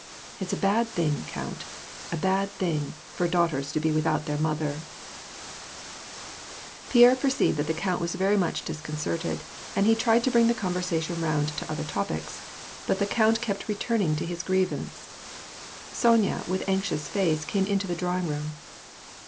It's a bad thing, count, a bad thing, for daughters to be without their mother !" Pierre perceived that the count was very much disconcerted, and he tried to bring the conversation round to other topics ; but the count kept returning to his grievance. Sonya, with anxious face, came into the drawing room.